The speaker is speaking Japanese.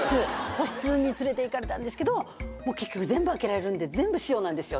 個室に連れていかれたんですけど結局全部開けられるんで全部塩なんですよね。